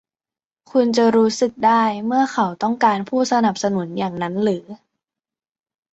คุณจะรู้สึกได้เมื่อเขาต้องการผู้สนับสนุนอย่างนั้นหรือ ?